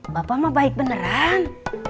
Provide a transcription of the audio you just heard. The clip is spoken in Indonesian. bapak mah baik beneran